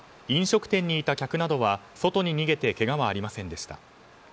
飲食店にいた客などは外に逃げてけがはありませんでした。